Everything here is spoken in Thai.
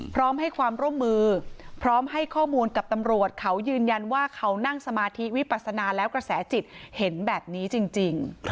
พร้อมให้ความร่วมมือพร้อมให้ข้อมูลกับตำรวจเขายืนยันว่าเขานั่งสมาธิวิปัสนาแล้วกระแสจิตเห็นแบบนี้จริง